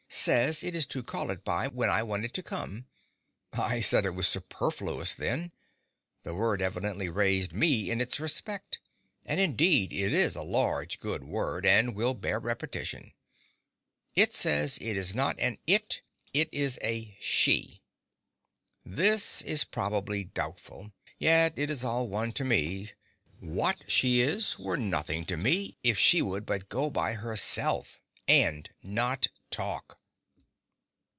Says it is to call it by when I want it to come. I said it was superfluous, then. The word evidently raised me in its respect; and indeed it is a large, good word, and will bear repetition. It says it is not an It, it is a She. This is probably doubtful; yet it is all one to me; what she is were nothing to me if she would but go by herself and not talk.